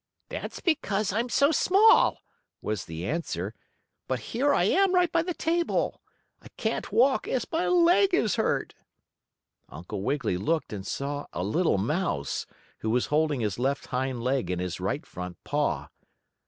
"That's because I'm so small," was the answer. "But here I am, right by the table. I can't walk as my leg is hurt." Uncle Wiggily looked, and saw a little mouse, who was holding his left hind leg in his right front paw.